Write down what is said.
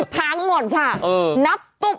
พังหมดค่ะ